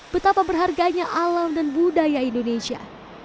betapa berharganya alam dan budaya indonesia